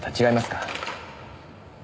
違いますか？